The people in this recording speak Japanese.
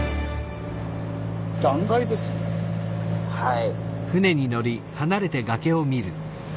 はい。